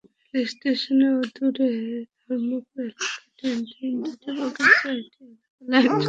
রেলস্টেশনের অদূরে ধর্মপুর এলাকায় ট্রেনটির দুটি বগির ছয়টি চাকা লাইনচ্যুত হয়।